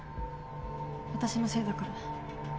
私のせいだから。